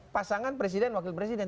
pasangan presiden wakil presiden